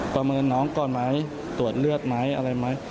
ประเมินน้องก่อนไหมตรวจเลือดไหมอะไรไหม